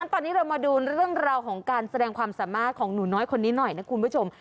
ตอนนี้เรามาดูเรื่องราวของการแสดงความสามารถของหนูน้อยคนนี้หน่อยนะคุณผู้ชม